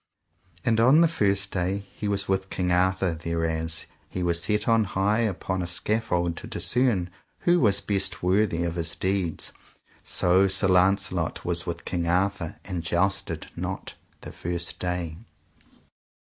And on the first day he was with King Arthur thereas he was set on high upon a scaffold to discern who was best worthy of his deeds. So Sir Launcelot was with King Arthur, and jousted not the first day.